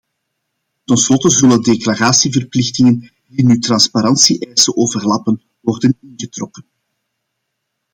Ten slotte zullen declaratieverplichtingen die nu transparantie-eisen overlappen worden ingetrokken.